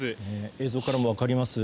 映像からも分かります。